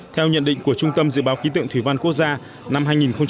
theo nhận định của trung tâm dự báo khí tượng thủy văn quốc gia năm hai nghìn một mươi chín